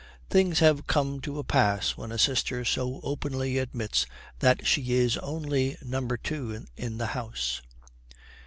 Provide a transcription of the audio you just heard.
Things have come to a pass when a sister so openly admits that she is only number two in the house.